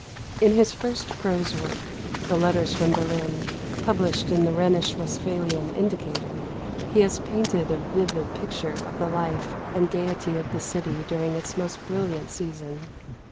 In his first prose work, the Letters from Berlin, published in the Rhenish Westphalian Indicator, he has painted a vivid picture of the life and gayety of the city during its most brilliant season.